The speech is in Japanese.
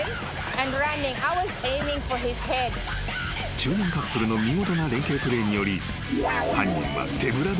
［中年カップルの見事な連携プレーにより犯人は］